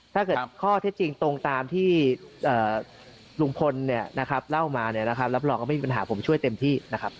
ถ้าเกิดข้อเท็จจริงตรงตามที่ลุงพลเล่ามาเนี่ยนะครับรับรองว่าไม่มีปัญหาผมช่วยเต็มที่นะครับ